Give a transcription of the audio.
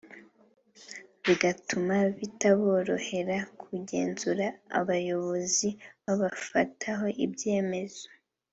bigatuma bitaborohera kugenzura abayobozi babafataho ibyemezo